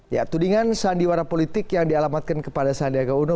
ya tudingan sandiwara politik yang dialamatkan kepada sandiaga uno